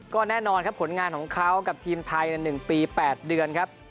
ก็แน่นอนครับผลงานของเขากับทีมไทยใน๑ปี๘เดือนครับ